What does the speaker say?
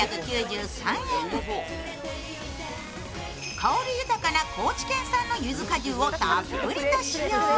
香り豊かな高知県産のゆず果汁をたっぷりと使用。